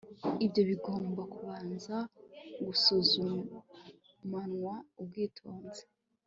ibyo bigomba kubanza gusuzumanwa ubwitonzi